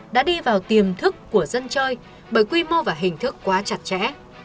đã đi vào tiềm thức của dân chơi bởi quy mô và hình thức quá chặt chẽ